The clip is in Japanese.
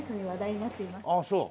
ああそう。